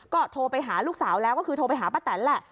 ก็โทรไปหาลูกสาวแล้วก็คือโทรไปหาป้าแตนแหละ